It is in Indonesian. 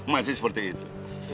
masih seperti itu